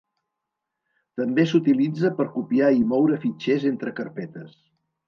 També s'utilitza per copiar i moure fitxers entre carpetes.